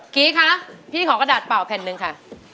กี้คะพี่ขอกระดาษเป่าแผ่นหนึ่งค่ะ